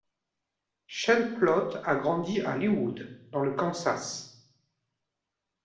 Sean Plott a grandi à Leawood, dans le Kansas.